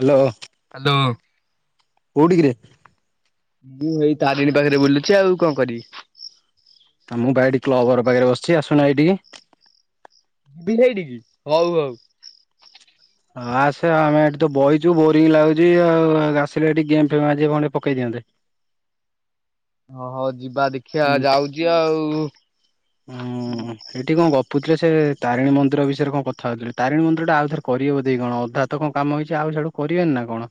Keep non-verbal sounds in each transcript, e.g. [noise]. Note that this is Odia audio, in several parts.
ହ୍ୟାଲୋ। ହାଲୋ। କୋଉଠିକିରେ? ମୁଁ ଏଇ ତାରିଣୀ ପାଖରେ ବୁଲୁଛି ଆଉ କଣ କରିବି। ଆ, ମୁଁ ପା ଏଇଟି କ୍ଲବ୍ ଘର ପାଖରେ ବସିଛି ଆସୁନୁ ଏଇଟିକି। ବି ସେଇଟିକି? ହଉ ହଉ। ହଉ ଆସେ ଆମେ ଏଠିତ ବଇଚୁ ବୋରିଙ୍ଗ ଲାଗୁଚି ଆଉ ଆସିଲେ ଏଠି ଗେମ୍ ଫେମ୍ ବାଜିଏ ଖଣ୍ଡେ ପକେଇ ଦିଅନ୍ତେ। ହୋ ହଉ ଯିବା ଦେଖିଆ ହୁଁ ଯାଉଚି ଆଉ। ଉଁ ଏଠି କଣ ଗପୁଥିଲେ ସେ ତାରିଣୀ ମନ୍ଦିର ବିଷୟରେ କଣ କଥା ହଉଥିଲେ ତାରିଣୀ ମନ୍ଦିର ଟା ଆଉ ଥରେ କରିବେ ବୋଧେ କଣ। ଅଧା ତ କଣ କାମ ହେଇଛି ଆଉ ସିଆଡ଼ୁ କରିବେନି ନା କଣ?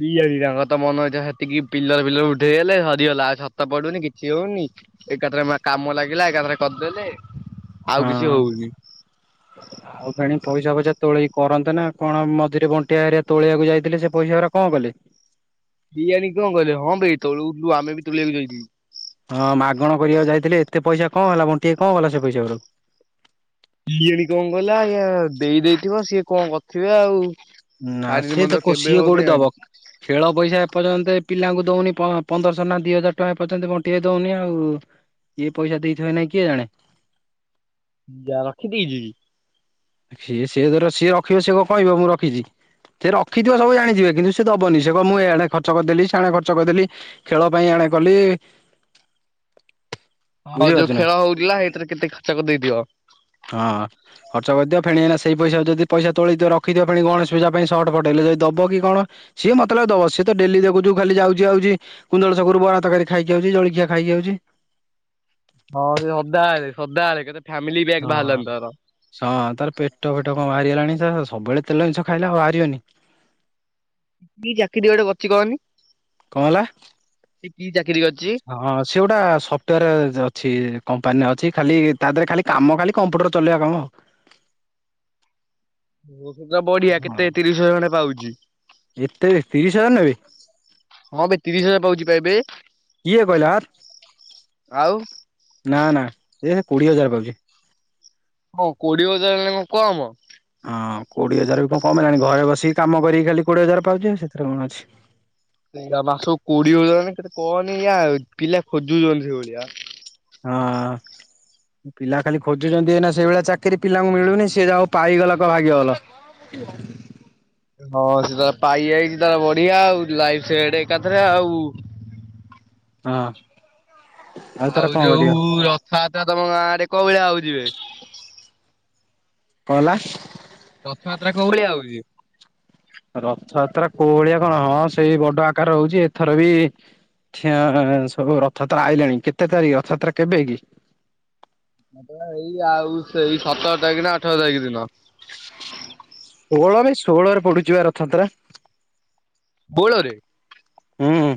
କି ଜାଣିଚି ତାଙ୍କ କଥା। ମନ ଇଚ୍ଛା ସେତିକି ପିଲର୍ ଫିଲର୍ ଉଠେଇଦେଲେ ସରିଗଲା ଆଉ ଛାତ ପଡ଼ୁନି କିଛି ହଉନି। ଏକାଥରେ ମା- କାମ ଲାଗିଲା ଏକାଥରେ କରିଦେଲେ ଆଉ କିଛି ହଁ। ହଉନି। [inaudible] ଆଉ ଫେଣି ପଇସା ଫଇସା ତୋଳେଇ କରନ୍ତେ ନା କଣ ମଝିରେ ବଣ୍ଟି ଭାଇ ହେରିଆ ତୋଳିବାକୁ ଯାଇଥିଲେ ସେ ପଇସା ଉରା କଣ କଲେ? କି ଜାଣି କଣ କଲେ? ହଁ ବେ ତୋଳଉ ବୁ-ଆମେ ବି ତୁଳିବାକୁ ଯାଇଥିଲୁ। ହଁ ମାଗଣ କରିବାକୁ ଯାଇଥିଲେ ଏତେ ପଇସା କଣ ହେଲା ବଣ୍ଟି ଭାଇ କଣ କଲା ସେ ପଇସା ଗୁରାକୁ? ସିଏ ବି କଣ କଲା ଇୟ ଦେଇଦେଇଥିବ ସିଏ କଣ କ ନା ସିଏ ତ କେବେ କୋ-ସିଏ ହବ କୋଉଠି କେଜାଣି। ଦବ? ଖେଳ ପଇସା ଏ ପର୍ଯ୍ୟନ୍ତ ଏ ପିଲାଙ୍କୁ ଦଉନି ପଅଁ-ପନ୍ଦରଶହ ନା ଦି ହଜାର ଟଙ୍କା ଏ ପର୍ଯ୍ୟନ୍ତ ବଣ୍ଟି ଭାଇ ଦଉନି ଆଉ। ଇଏ ପଇସା ଦେଇଥିବ ନାଇଁ କିଏ ଜାଣେ? ଯା ରଖିଦେଇଚିକି? ସିଏ ସେ ତାର ସିଏ ରଖିବ ସିଏ କଣ କହିବ ମୁଁ ରଖିଚି। ସେ ରଖିଥିବ ସବୁ ଜାଣିଥିବେ କିନ୍ତୁ ସେ ଦବନି ସେ ମୁଁ ଏଣେ ଖର୍ଚ୍ଚ କରିଦେଲି ସେଣେ ଖର୍ଚ୍ଚ କରିଦେଲି। ଖେଳ ପାଇଁ ଏଣେ କଲି। ହଁ ବୁଝିପାରୁଛୁ ଯୋଉ ନା ଖେଳ ହଉଥିଲା ସେଇଥିରେ କେତେ ଖର୍ଚ୍ଚ କରି ଦେଇଥିବ? ହଁ। ଖର୍ଚ୍ଚ କରିଥିବ ଫେଣେ ଏଇନା ସେଇ ପଇସା ଯଦି ପଇସା ତୋଳଥିବ ରଖିଥିବ ଫେଣି ଗଣେଶ ପୂଜା ପାଇଁ ସଟ୍ ଫଟ୍ ହେଲେ ଯଦିଦବକି କଣ ସିଏ ମତେ ଲାଗୁଚି ଦବ ସିଏତ ଡେଲି ଦେଖୁଚୁ ଖାଲି ଯାଉଚି ଆଉଚି କୁନ୍ଦଳ ଛକରୁ ବରା ତକାରି ଖାଇକି ଆଉଚି ଜଳଖିଆ ଖାଇକି ଯାଉଚି। ହଁ ସେ ସଦାବେଳେ ସଦାବେଳେ କେତେ ଫାମିଲି ପ୍ୟାକ୍ ହଁ। ବାହାରିଲାନି ତାର ହଁ ତାର ପେଟ ଫେଟ କଣ ବାହାରିଗଲାଣି ସବୁବେଳେ ତେଲ ଜିନିଷ ଖାଇଲା ଆଉ ବାହାରିବନି। କି ଚାକିରି ଗୋଟେ କରିଚି କହନି? କଁ ହେଲା? ସେ କିଚାକିରି କରିଚି? ହଁ ସେଗୋଟା ସଫ୍ଟୱୋର ଅଛି କମ୍ପାନୀ ଅଛି ଖାଲି ତାଦେହରେ ଖାଲି କାମ ଖାଲି କମ୍ପ୍ୟୁଟର ଚଲେଇବା କାମ। [unintelligible] ବଢିଆ ହଁ କେତେ ତିରିଶି ହଜାରେ ଖଣ୍ଡେ ପାଉଚି। ଏତେ ତିରିଶି ହଜାରେ ନାବେ? ହଁବେ ତିରିଶି ହଜାରେ ପାଉଚିପା ଏବେ କିଏ କହିଲା ଆଉ ନା ନା ଏ କୋଡ଼ିଏ ହଜାରେ ପାଉଚି। କଁ କୋଡ଼ିଏ ହଜାରେ ହେଲାଣିନି କଁ କମ୍। ହଁ କୋଡ଼ିଏ ହଜାରେବି କଣ କମ୍ ହେଲାଣି ଘରେ ବସିକି କାମ କରିକି ଖାଲି କୋଡ଼ିଏ ହଜାରେ ପାଉଚି ଆ ସେଥିରେ କଣ ଅଛି। ମାସକୁ କୋଡ଼ିଏ ହଜାରେ କେତେ କହନି ୟା ପିଲା ଖୋଜୁଚନ୍ତି ସେଇଭଳିଆ। ହଁ। ପିଲା ଖାଲି ଖୋଜୁଚନ୍ତି ଏଇନା ସେଇଭଳିଆ ଚାକିରି ପିଲାଙ୍କୁ ମିଳୁନି ସିଏ ଯାହଉ ପାଇଗଲା କ ଭାଗ୍ୟଭଲ। କଁ କୋଉଥୁଲ? ହଁ ସେତାର ପାଇଯାଇଚି ତାର ବଢିଆ ଆଉ ଲାଇଭ୍ ସେଟ୍ ଏକାଥରେ ଆଉ। ହଁ। ତାର ଆଉ କଣ ଯୋଉ କରିବା ରଥଆତ୍ରା ତମ ଗାଁ ଆଡ଼େ କୋଉ ଭଳିଆ ହୋଉଚିବେ? କଁ ହେଲା? ରଥଯାତ୍ରା କୋଉ ଭଳିଆ ହଉଚି? ରଥଯାତ୍ରା କୋଉ ଭଳିଆ କଣ ହଁ ସେଇ ବଡ଼ ଆକାର ହଉଚି ଏଥରବି ଖିଆ ସବୁ ରଥଯାତ୍ରା ଆଇଲାଣି କେତେ ତାରିଖ ରଥଯାତ୍ରା କେବେକି? ହଁ ଏଇ ଆଉ ସେଇ ସତର ତାରିଖନା ଅଠର ତାରିଖ ଦିନ। ଷୋହଳରେ ଷୋହଳରେ ପଡ଼ୁଚିବା ରଥଯାତ୍ରା। ବୋଳରେ। ହୁଁ।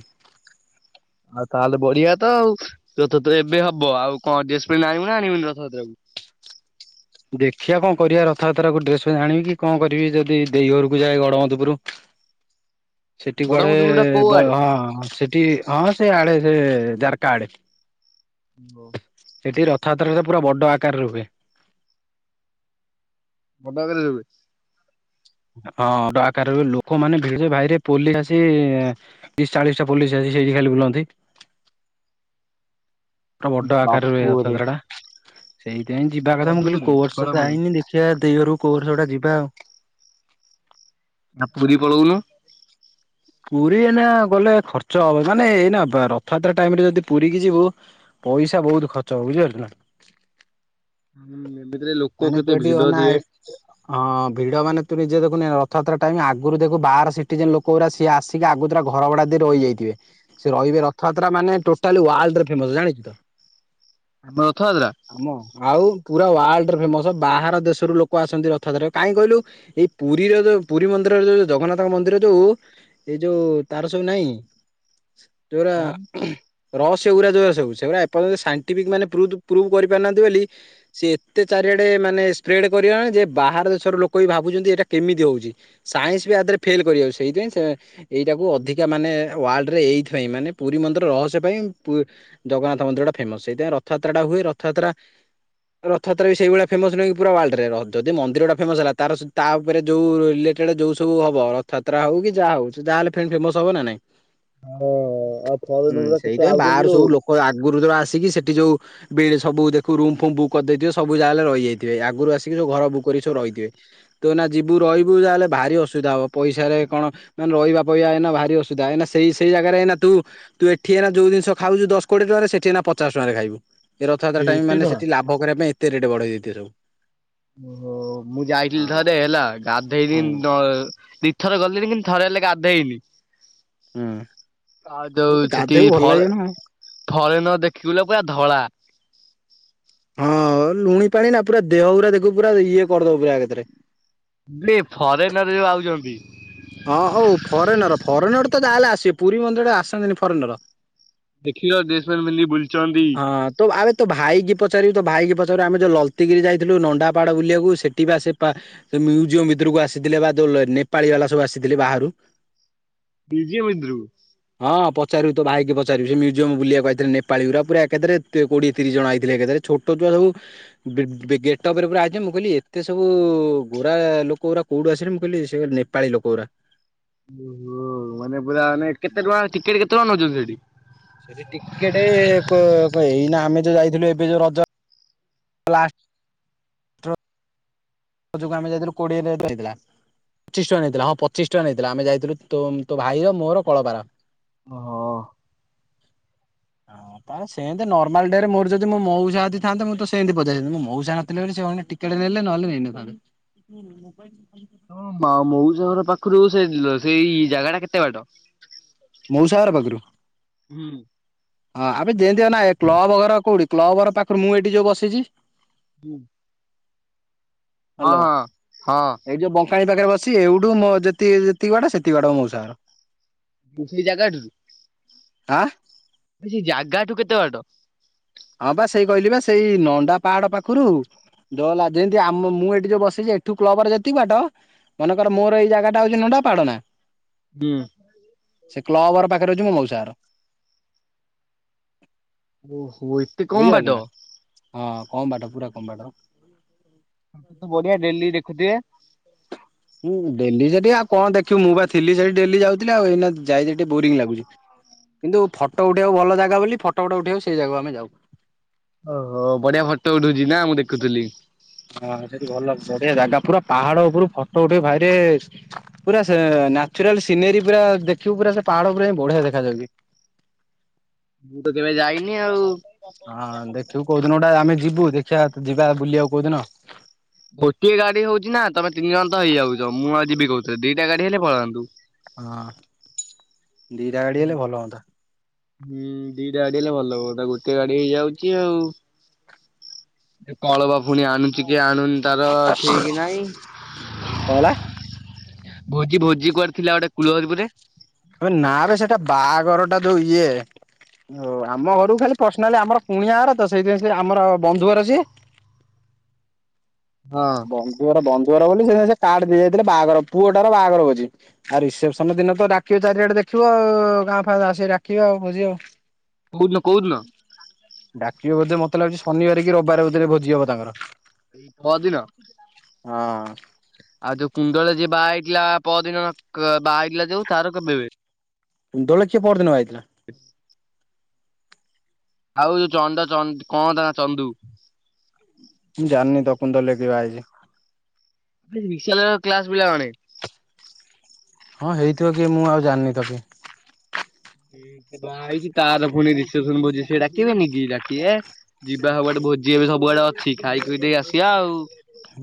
ଆଉ ତାହେଲେ ବଢିଆତ ଆଉ ରଥଯାତ୍ରା ଏବେ ହବ ଆଉ କଣ ଡ୍ରେସ୍ ପେଣ୍ଟ ଆଣିବୁନା ଆଣିବୁନି ରଥଯାତ୍ରକୁ? ଦେଖିଆ କଁ କରିବା ରଥଯାତ୍ରାକୁ ଡ୍ରେସ୍ ଫେସ୍ ଆଣିବିକି କଁ କରିବି ଯଦି ଦେଇ ଘରକୁୁ ଯାଏ ଗଡ଼ମଧୁପୁର [inaudible] ସେଠି ବଡ କୁଆଡ଼େ ମଧୁପୁର ଟା କୋଉ ବ ଆଡେ? ହଁ ସେଠି ହଁ ସେ ଆଡ଼େ ସେ ଯାର୍କା ଆଡ଼େ। ଓ। ସେଠି ରଥଯାତ୍ରାରେ ପୁରା ବଡ଼ ଆକାରରେ ହୁଏ। ବଡ଼ ଆକାରରେ ହୁଏ? ହଁ ବଡ଼ ଆକାରରେ ହୁଏ ଲୋକମାନେ ଭିଡ଼ ଭାଇରେ ପୋଲି ଆସି ତିରିଶି ଚାଳିଶଟା ପୋଲିସ୍ ଆସି ସେଇଠି ଖାଲି ବୁଲନ୍ତି। ପୁରା ବଡ଼ ଆକାରରେ ହୁଏ ବାପୁରେ ରଥଯାତ୍ରାଟା। ସେଇଥିପାଇଁ ଯିବା କଥା ମୁଁ କହିଲି ମଧୁପୁରରେ ବଡ କୋଉବର୍ଷ ମଧୁ ଯାଇନି ଦେଖିବା ଦେଇ ଘରକୁ କୋଉବର୍ଷ ଗୋଟେ ଯିବା ଆଉ। ଆଁ ପୁରି ପଳଉନୁ? ପୁରୀ ଏଇନା ଗଲେ ଖର୍ଚ୍ଚ ହବ ମାନେ ଏଇନା ରଥଯାତ୍ରା ଟାଇମରେ ଯଦି ପୁରୀକିି ଯିବୁ ପଇସା ବହୁତ ଖର୍ଚ୍ଚ ହବ ବୁଝିପାରିଲୁନା। ଉଁ ଏ ଭିତରେ ଲୋକ କେତେ ଭିଡ ଥିବେ? ଅଁ ଭିଡ ମାନେ ତୁରୁ ନିଜେ ଦେଖୁନ ଅ ରଥଯାତ୍ରା ଟାଇମ ଆଗରୁ ଦେଖୁ ବାହାର ସିଟିଯେନ ଲୋକଗୁଡା ଆସି। ସିଏ ଆସିକି ଆଗତୁରା ଘର ଭଡା ଦେଇ ରହିଯାଇଥିବେ। କେ ସେ ରହିବେ ରଥଯାତ୍ରା ମାନେ ଟୋଟାଲି ୱାର୍ଲଡରେ ଫେମସ ଜାଣିଛୁ ତ। ଆମ ରଥଯାତ୍ରା? ଆମ ଆଉ ପୁରା ୱାର୍ଲଡରେ ଫେମସ, ବାହାର ଦେଶରୁ ଲୋକ ଆସନ୍ତି ରଥଯାତ୍ରାରେ କାଇଁ କହିଲୁ? ଏଇ ପୁରୀର ଯୋଉ ପୁରୀ ମନ୍ଦିରର ଯୋଉ ଜଗନ୍ନାଥ ମନ୍ଦିର ଯୋଉ ଏଇ ଯୋଉ ତାର ସବୁ ନାହିଁ ଯୋଉରା ହୁ ରହସ୍ୟ ଗୁରା ଯୋଉରା ସବୁ ସେଉରା ଏପର୍ଯ୍ୟନ୍ତ ସାଇଣ୍ଟିଫିକ୍ ମାନେ ପ୍ରୁ୍ଧ ପ୍ରୁଫ୍ କରିପାରି ନାହାନ୍ତି ବୋଲି ସିଏ ଏତେ ଚାରିଆଡେ ମାନେ ସ୍ପ୍ରେଡ କରିଅଲାଣି ଯେ ବାହାର ଦେଶରୁ ଲୋକ ବି ଭାବୁଛନ୍ତି ଏଇଟା କେମିତି ହଉଛି। ସାଇନ୍ସ ବି ଆଧେରେ ଫେଲ କରି ଯାଉଛି ସେଇଥିପାଇଁ ସେ ଏଇଟାକୁ ଅଧିକା ମାନେ ୱାର୍ଲଡ ରେ ଏଇଥିପାଇଁ ମାନେ ପୁରୀ ମନ୍ଦିର ରହସ୍ୟ ପାଇଁ ପୁ ଜଗନ୍ନାଥ ମନ୍ଦିର ଟା ଫେମସ ସେଇଥିପାଇଁ ରଥଯାତ୍ରାଟା ହୁଏ ରଥଯାତ୍ରା ରଥଯାତ୍ରା ବି ସେଇଭଳିଆ ଫେମସ ନୁହେଁ କି ପୁରା ୱାର୍ଲଡରେ ରଜ ଯଦି ମନ୍ଦିର ଟା ଫେମସ ହେଲା ତାର ସ ତା ଉପରେ ଯୋଉ ଲେଗ ଏଇଟା ଯୋଉ ସବୁ ହବ ରଥଯାତ୍ରା ହଉ କି ଯାହା ହଉ ସେ ଯାହା ହେଲେ ଫେଣ ଫେମସ ହବ ନା ନାଇଁ। ହଁ ଆଉ ହୁଁ ଫରେନର୍ ଗୁରା କେତେ ସେଇଥିପାଇଁ ଆଉଛନ୍ତି ବାହାରୁ ଲୋ ସବୁ ଲୋକ ଆଗୁରୁ ଯୋଓ ଆସିକି ସେଠି ଯୋଉ ବିଳେ ସବୁ ଦେଖୁ ରୁମ ଫୁମ ବୁକ୍ କରିଦେଇଥିବେ ସବୁ ଜାହେଲେ ରହିଯାଇଥିବେ ଆଗରୁ ଆସିକି ସବୁ ଘର ବୁକ କରିକି ସବୁ ରହିଥିବେ। ତୁ ଏନା ଯିବୁ ରହିବୁ ଯାହେଲେ ଭାରି ଅସୁବିଧା ହବ ପଇସାରେ କଣ ରହିବା ପହିବା ଏଇନା ଭାରି ଅସୁବିଧା ଏଇନା ସେଇ ସେଇ ଜାଗାରେ ଏଇନା ତୁ। ତୁ ଏଠି ଏନା ଯୋଉ ଜିଷ ଖାଉଚୁ ଦଶ କୋଡ଼ିଏ ଟଙ୍କାରେ ସେଠି ଏନା ପଚାଶ ଟଙ୍କାରେ ଖାଇବୁ। ଏ ରଥଯାତ୍ରା ଟାଇମ ଏତେ ମାନେ ଟଙ୍କା? ସେଠି ଲାଭ କରିବା ପାଇଁ ଏତେ ରେଟ ବଢେଇ ଦେଇଥିବେ ସବୁ। ଓହୋ, ମୁଁ ଯାଇଥିଲି ଥରେ ହେଲା ଗାଧେବିନି ହଁ ନ ଦିପ୍ ଏଥର ଗଲେକିଣି ଥରେ ହେଲେ ଗାଧେଇବି। ହଁ ଆ ଦୋଉ ଛେତି ଗାଧେଇବୁ ଭଲ ଲାଗିବ ଫଲ ନା ଆଉ। ଫରେନର ଦେଖିବୁଲୋ ପୁରା ଧଳା। ହଁ ଲୁଣି ପାଣି ନା ପୁରା ଦେହଗୁରା ଦେଖିବୁ ପୁରା ଇଏ କରିଦବ ପୁରା ଏକାଥରେ। ବ୍ଲିପ ଫରେନରେ ଯୋଉ ଆଉଛନ୍ତି। ହଁ ଅଉ ଫରେନର ଫରେନର ତ ଯାହେଲେ ଆସିବେ ପୁରୀ ମନ୍ଦିରରେ ଆସନ୍ତିନି ଫରେନର। ଦେଖିଲ ଦେଶ ମେଲ ମିଲି ବୁଲୁଚନ୍ତି। ହଁ ତୋ ଆରେ ତୋ ଭାଇକି ପଚାରିବୁ ତ ଭାଇକି ପଚାରିବୁ ଆମେ ଯେଉଁ ଲଲତିଗିରି ଯାଇଥିଲୁ ନଣ୍ଡାପାହାଡ଼ ବୁଲିବାକୁ ସେଠି ବା ସେପା ସେ ମ୍ୟୁଜିୟମ ଭିତରକୁ ଆସିଥିଲେ ବା ଯୋ ଲୋ ନେପାଳୀ ବାଲା ସବୁ ଆସିଥିଲେ ବାହାରୁ ମ୍ୟୁଜିୟମ ଭିତରକୁ ହଁ ପଚାରିବୁ ତୋ ଭାଇକି ପଚାରିବୁ ସେ ମ୍ୟୁଜିୟମ୍ ବୁଲିଆକୁ ଆଇଥିଲେ ନେପାଳି ଗୁରା ପୁରା ଏକାଥରେ ତେ କୋଡିଏ ତିରିଶ ଜଣ ଆଇଥିଲେ ଏକା ଥରକେ ଛୋଟ ଛୁଆ ସବୁ ବିଗ୍ ବି ଗେଟପରେ ପୁରା ଆଇଚନ୍ତି ମୁଁ କହିଲି ଏତେ ସବୁ ଗୋରା ଲୋକ ଗୁରା କୋଉଠୁ ଆସିଲେ ମୁଁ କହିଲି ସେ ନେପାଳି ଲୋକ ଗୁରା଼। ଓହ ମାନେ ପୁରା ମାନେ କେତେ ଟଙ୍କା ଟିକେଟ କେତେ ଟଙ୍କା ନେଉଛନ୍ତି ସେଠି? ସେଠି ଟିକେଟେ କୋ କୋ ଏଇନା ଆମେ ଯୋଉ ଯାଇଥିଲୁ ଏବେ ଯୋଉ ରଜ ଲାଷ୍ଟ ର ତୋ ଯୋଗୁ ଆମେ ଯାଇଥିଲୁ କୋଡିଏ ନେଟ ହେଇଥିଲା। ପଚିଶ ଟଙ୍କା ନେଇଥିଲା ହଁ ପଚିଶ ଟଙ୍କା ନେଇଥିଲା ଆମେ ଯାଇଥିଲୁ ତୋମ ତୋ ଭାଇର ମୋର କଳକାର। ଓ ହୋ ହଁ ହଁ ତାର ସେମିତି ନର୍ମାଲ ଡେରେ ମୋର ଯଦି ମୋ ମଉସା ଆଦିଥାନ୍ତେ ମୁଁ ତ ସେମିତି ପଚାଇଯାଇଥାନ୍ତି ମୋ ମଉସା ନଥିଲେ ବୋଲି ସେମାନେ ଟିକ କେଡେ ନେଲେ ନହେଲେ ନେଇନଥାନ୍ତେ [inaudible] ତମ ମା ମଉସା ଘର ପାଖୁରୁ ସେ [unintelligible] ସେଇ ଜାଗାଟା କେତେ ବାଟ। ମଉସା ଘର ପାଖୁରୁ। ହୁଁ। ହଁ ଆବେ ଯେନ୍ତି ଅନା ଏ କ୍ଲବ ଘର କୋଉଠି କ୍ଲବ ଘର ପାଖୁରୁ ମୁଁ ଏଠି ଯୋଉ ବସିଚି ହୁଁ। ହଁ ହାଲୋ ହଁ ଏଇଠି ଯୋଉ ବ ପାଣି ପାଖେରେ ବସଚି ଏଉଠୁ ମୋ ଯେତିି ଯେତିକି ବାଟ ସେତିକି ବାଟ ମୋ ମଉସା ଘର। ଉଁ ସେଇ ଜାଗାଠୁରୁ। ଆଁ। ମୁଁ କହିଲି ସେଇ ଜାଗାଠୁ କେତେ ବାଟ? ହଁ ପା ସେଇ କହିଲି ବା ସେଇ ନଣ୍ଡା ପାହାଡ ପାଖୁରୁ ଜଅଲା ଯେନ୍ତି ଆମ ମୁଁ ଏଠି ଯୋଉ ବସଛି ଏଠୁ କ୍ଲବ ଘର ଯେତିକି ବାଟ ମନେକ ମୋର ଏଇ ଜାଗାଟା ହଉଛି ନଣ୍ଡା ପାହାଡ ନା ହୁଁ। ସେ କ୍ଲବ ଘର ପାଖରେ ହଉଛି ମୋ ମଉସା ଘର। ଓହୋ ଏ ବୁଝିପାଇଲେ ନା ହଁ କମ୍ ବାଟ ପୁରା କମ୍ ବାଟ। [inaudible] ତ ବଢିଆ ଡେଲି ଦେଖୁଥିବେ। ମୁଁ ଡେଲି ସେଠି ଆଉ କଣ ଦେଖିବୁ ମୁଁ ବା ଥିଲି ସେଇଠି ଡେଲି ଯାଉଥିଲି ଆଉ ଏଇନା ଯାଇ ସେଠି ବୋରିଙ୍ଗ୍ ଲାଗୁଛି। କିନ୍ତୁ ଫଟ ଉଠେଇଆକୁ ଭଲ ଜାଗା ବୋଲି ଫଟ ଫଟ ଉଠେଇଆକୁ ସେଇ ଜାଗାକୁ ଆମେ ଯାଉ। ଓହୋ ବଢିଆ ଫଟୋ ଉଠୁଚି ନା ମୁଁ ଦେଖୁଥୁଲି। ହଁ ସେଠି ଭଲ ବଢିଆ ଜାଗା ପୁରା ପାହାଡ ଉପୁରୁ ଫଟ ଉଠେଇବୁ ଭାଇରେ ପୁରା ସେ ନ୍ୟାଚୁରାଲ ସିନେରୀ ପୁରା ଦେଖିବୁ ପୁରା ସେ ପାହାଡ ଉପୁରୁ ଯାଇଁକି ବଢିଆ ଦେଖାଯାଉଚି। ମୁଁ ତ କେବେ ଯାଇନି ଆଉ। ହଁ ଦେଖିବୁ କୋଉ ଦିନ ଗୋଟେ ଆମେ ଯିବୁ ଦେଖିଆ ତୁ ଯିବା ବୁଲିଆକୁ କୋଉ ଦିନ। ଗୋଟିଏ ଗାଡି ହଉଚି ନା ତମେ ତିନି ଜଣ ତ ହେଇଯାଉଚ ମୁଁ ଆଉ ଯିବି କୋଉଥେରେ ଦିଟା ଗାଡି ହେଲେ ପଳାନ୍ତୁ। ହଁ ଦିଟା ଗାଡି ହେଲେ ଭଲ ହଅନ୍ତା। ହୁଁ ଦିଟା ଗାଡି ହେଲେ ଭଲ ହୁଅନ୍ତା ଗୋଟିଏ ଗାଡି ହେଇଯାଉଚି ଆଉ। ଯେ କଳ ବା ଫୁଣି ଆଣୁଚି ଇଏ ଆଣୁନି ତାର ଠିକି ନାଇଁ। କଣ ହେଲା? ଭୋଜି ଭୋଜି କୁଆଡେ ଥିଲା ଗୋଟେ କୂଳହରିପୁରରେ। ଆବେ ନା ବେ ସେଟା ବାଆଘରଟା ଯୋଉ ଇଏ ଓ ଆମ ଘରୁକୁ ଖାଲି ପର୍ସନାଲ୍ ଆମର କୁଣିଆ ଘର ତ ସେଇଥିପାଇଁ ସିଏ ଆମର ବନ୍ଧୁଘର ସିଏ। ହଁ। [unintelligible] ପୁଅର ବନ୍ଧୁଘର ବୋଲି ସେଇଥିପାଇଁ ସିଏ କାର୍ଡେ ଦେଇଯାଇଥିଲେ ବାଆଘର ପୁଅଟାର ବାଆଘର ଭୋଜି ଆଉ ରିସେପସନ୍ ଦିନ ତ ଡା କିଏ ଚାରିଆଡେ ଦେଖିବ ଆଉ ଗାଁ ଫାଁ ଆସିକି ଡାକିବ ଆଉ ଭୋଜି ଆଉ। କୋଉ ଦିନ କୋଉ ଦିନ। ଡାକିବ ବୋଧେ ମତେ ଲାଗୁଛି ଶନିବାରେ କି ରବିବାରେ ଭିତେରେ ଭୋଜି ହବ ତାଙ୍କର। ଏଇ ପଅରଦିନ। ହଁ ଆଉ ଯୋଉ କୁଣ୍ଡଳରେ ଯିଏ ବାହା ହେଇଥିଲା ପଅରଦିନ କ ବାହା ହେଇଥିଲା ଯୋଉ ତାର କେବେ ବେ। କୁଣ୍ଡଳରେ କିଏ ପଅରଦିନ ବାହେଇଥିଲା। [unintelligible] ଆଉ ଯୋଉ ଚନ୍ଦା ଚନ୍ଦ୍ କଣ ତା ନାଁ ଚନ୍ଦୁ। ମୁଁ ଜାଣିନି ତ କୁଣ୍ଡଳରେ କିଏ ବାହେଇଚି। ବିଶା କ୍ଲାସ ପିଲା ଜଣେ। ହଁ ହେଇଥିବ କିଏ, ମୁଁ ଆଉ ଜାଣିନି ତାକୁ। ସେ ବାହା ହେଇଛି ତାର ପୁଣି ରିସେପସନ ଭୋଜି, ସେ ଡାକିବେନି କିି ଡାକିବେ। ଯିବା ସବୁଆଡେ ଭୋଜି ଏବେ ସବୁଆଡେ ଅଛି, ଖାଇ ଖୁଇଦେଇ ଆସିବା ଆଉ।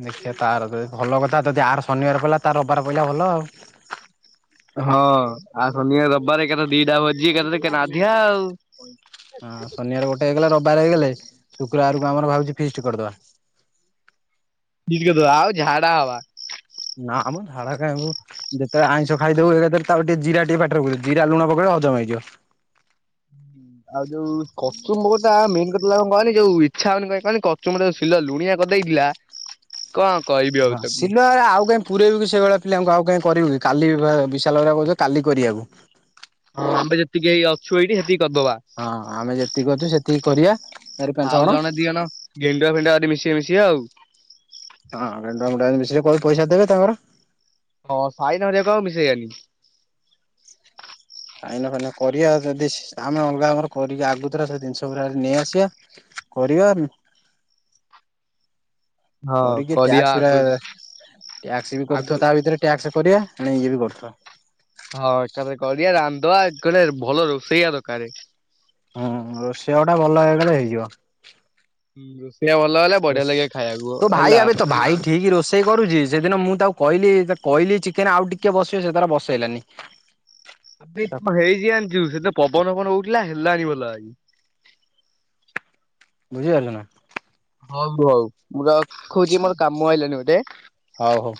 ଦେଖିବା ତାର ଯଦି ଭଲ କଥା ଯଦି ଆର ଶନିବାର ପରିଲା ତା ରବିବାର ପଇଲା ଭଲ ଆଉ। ହଁ ଆଉ ଶନିବାରେ, ରବିବାରେ ଏକାଥରେ ଦିଟା ଭୋଜି ଏକା ଥରେ ନାଧିବା ଆଉ। ହଁ ଶନିବାର ଗୋଟେ ହେଇଗଲା, ରବିବାର ହେଇଗଲେ ଶୁକ୍ରବାରକୁ ଆମର ଭାବୁଛି ଫିଷ୍ଟ କରିଦବା। ଠିକ୍ କଥା ଆଉ ଝାଡା ହବା। ନା ଆମର ଧଡ଼ା କବ [unintelligible] ଯେତେବେଳେ ଆଇଁଷ ଖାଇଥିବୁ ଏକାଥରେ ତାକୁ ଟିକେ ଜିରା ଟିକେ ପାଟିରେ ପକେଇଦେବୁ ଜିରା ଲୁଣ ପକେଇଲେ ହଜମ ହେଇଯିବ। ଆଉ ଯୋଉ କଚୁମ୍ବୋରଟା ମେନ୍ କଥା କଣ କହନି ଯଉ ଇଚ୍ଛା ହଉନି କହି କହନି ମ୍ବର ଯୋଉ ଶିଲ ଲୁଣିଆ କରିଦେଇଥିଲା କଣ କହିବି ଆଉ ହଁ ତାକୁ। ଶିଲୁଆ ର ଆଉ କେ ପୁରଇବୁକି ସେଇଭଳିଆ ପିଲାଙ୍କୁ ଆଉ କାହିଁ କରିବୁ କି, କାଲି ବା ଵିଶାଲ ଘରିଆ କହୁଥିଲେ କାଲି କରିବାକୁ। ହଁ ଆମେ ଯେତିକି ହେଇ ଅଛୁ ଏଇଠି ସେତିକି କରିଦବା। ହଁ ଆମେ ଯେତିକି ଅଛୁ ସେତିକି କରିବା ଚାରି ଆଉ ପାଞ୍ଚ ଜଣ। ଜଣେ ଦି ଗେଣ୍ଡୁଆ ଫେଣ୍ଡୁଆ କରି ମିଶିବେ ମିଶିବେ ଆଉ। ହଁ ଗାଣ୍ଡୁଆ କୁ ଡାକେନି ସେ ପଇସା ଦେବେ ତାଙ୍କର। ହଁ ସାଇନ ଘେରିକା ଆଉ ମିଶେଇବାନି। ଆଇନା ଫାଇନା କରିବା, ଯଦି ସେ ଆମେ ଅଲଗାଘର କରିବା ଆଗୁତୁରା ସେ ଜିନିଷ ଗୁଡା ନେଇଆସିବା। କରିବା ହଁ କରିକି କରିବା ଟ୍ୟାକ୍ସ ଗୁଡା ଆଗରୁ ଟ୍ୟାକ୍ସ ବି ଆଗରୁ କରୁଥିବ ତା ଭିତରେ ଟ୍ୟାକ୍ସ କରିବା ଫୁଣି ଇଏ ବି କରୁଥିବା। ହଁ ଏକାଥରେ କରିବା ରାନ୍ଧି ଦବା କଲେ ଭଲ ରୋଷେଆ ଦରକାରେ। ହୁଁ ରୋଷେଆ ଗୋଟେ ଭଲ ହେଇଗଲେ ହେଇଯିବ। ହଁ ରୋଷେଇଆ ଭଲ ହେଲେ, ବଢିଆ ଲାଗେ ଖାଇବାକୁ ହେଲା। ଠିକି ରୋଷେଇ କରୁଛି, ସେଦିନ ମୁଁ ତାକୁ କହିଲି କହିଲି ଚିକେନ ଆଉ ଟିକିଏ ବସିବ ସେ ତାର ବସେଇଲାନି। ଆବେ କଁ ହେଇଛି ଜାଣିଛୁ, ସେଦିନ ପବନ ଫବନ ହଉଥିଲା, ହେଲାଣିି ଭଲ ଆଉ। ବୁଝିପାରିଛୁ ନା। ହଉ ହଉ ମୁଁ ରଖୁଛି ମୋର କାମ ଆଇିଲାଣିି ଗୋଟେ। ହଉ ହଉ।